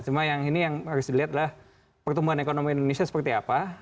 cuma yang ini yang harus dilihat adalah pertumbuhan ekonomi indonesia seperti apa